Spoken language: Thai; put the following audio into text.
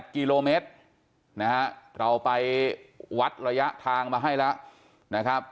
๒๑๘กิโลเมตรเราไปวัดระยะทางมาให้แล้ว